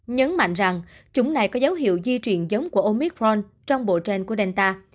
nhấn mạnh rằng chủng này có dấu hiệu di truyền giống của omicron trong bộ trên của delta